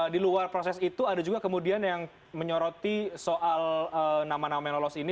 di luar proses itu ada juga kemudian yang menyoroti soal nama nama yang lolos ini